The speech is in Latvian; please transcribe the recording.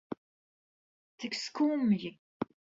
Cik skumji.